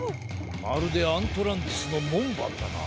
まるでアントランティスのもんばんだな。